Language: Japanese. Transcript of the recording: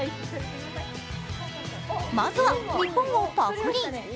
まずは、日本をパクリ。